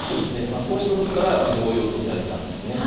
こうしたことから同様とされたんですね。